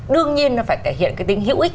đương nhiên nó phải thể hiện cái tính hữu ích